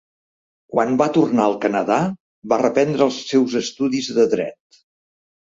Quan va tornar al Canadà, va reprendre els seus estudis de dret.